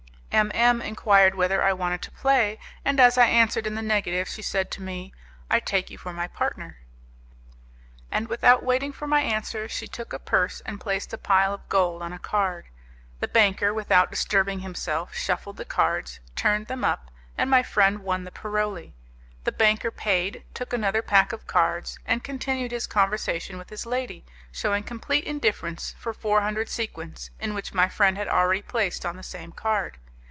M M enquired whether I wanted to play, and as I answered in the negative she said to me, "I take you for my partner." And without waiting for my answer she took a purse, and placed a pile of gold on a card. The banker without disturbing himself shuffled the cards, turned them up, and my friend won the paroli. The banker paid, took another pack of cards, and continued his conversation with his lady, shewing complete indifference for four hundred sequins which my friend had already placed on the same card.